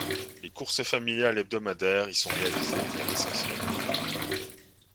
Les courses familiales hebdomadaires y sont réalisées pour l’essentiel.